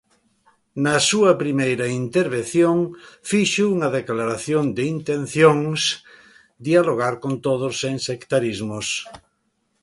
Na súa primeira intervención fixo unha declaración de intencións, dialogar con todos sen sectarismos.